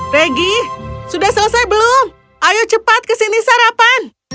regi sudah selesai belum ayo cepat ke sini sarapan